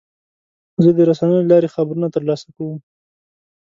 زه د رسنیو له لارې خبرونه ترلاسه کوم.